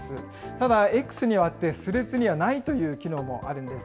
ただ、Ｘにはあって、スレッズにはないという機能もあるんです。